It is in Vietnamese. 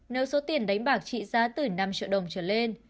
nếu số tiền đánh bạc trị giá từ năm triệu đồng trở lên